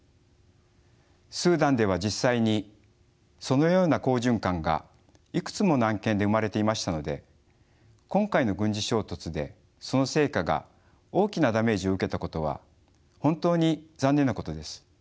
スーダンでは実際にそのような好循環がいくつもの案件で生まれていましたので今回の軍事衝突でその成果が大きなダメージを受けたことは本当に残念なことです。